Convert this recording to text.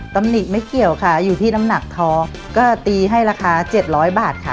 ตำหนิไม่เกี่ยวค่ะอยู่ที่น้ำหนักท้อก็ตีให้ราคา๗๐๐บาทค่ะ